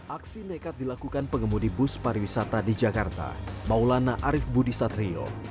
aksi nekat dilakukan pengemudi bus pariwisata di jakarta maulana arief budi satrio